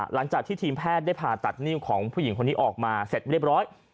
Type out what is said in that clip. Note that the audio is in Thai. หลังจากที่ทีมแพทย์ได้ผ่าตัดนิ้วของผู้หญิงคนนี้ออกมาเสร็จเรียบร้อย